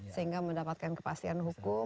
sehingga mendapatkan kepastian hukum